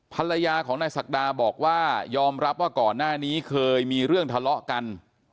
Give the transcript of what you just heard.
ภรรยาของนายศักดาบอกว่ายอมรับว่าก่อนหน้านี้เคยมีเรื่องทะเลาะกัน